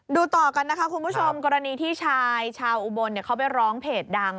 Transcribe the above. ต่อกันนะคะคุณผู้ชมกรณีที่ชายชาวอุบลเขาไปร้องเพจดัง